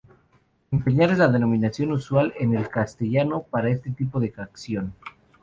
Empeñar es la denominación usual en el castellano para este tipo de acción.